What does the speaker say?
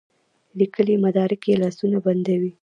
لیکلي مدارک یې لاسونه بندوي.